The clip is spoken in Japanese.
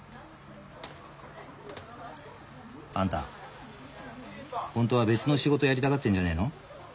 あんたホントは別の仕事やりたがってんじゃねえの？